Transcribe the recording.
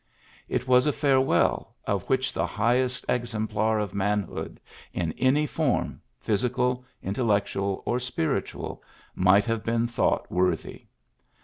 It was a farewell of which the highest exemplar of manhood in any form, physical, intellectual, or spiritual, might have been thought worthy.